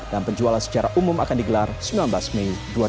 dan penjualan secara umum akan digelar sembilan belas mei dua ribu dua puluh tiga